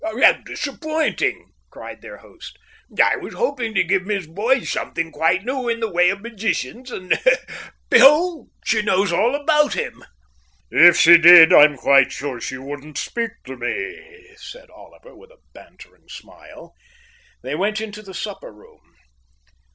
"How disappointing!" cried their host. "I was hoping to give Miss Boyd something quite new in the way of magicians, and behold! she knows all about him." "If she did, I'm quite sure she wouldn't speak to me," said Oliver, with a bantering smile. They went into the supper room.